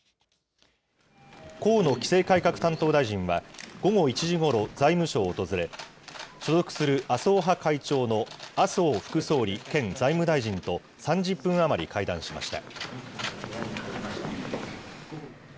河野規制改革担当大臣は、午後１時ごろ、財務省を訪れ、所属する麻生派会長の麻生副総理兼財務大臣と３０分余り会談しました。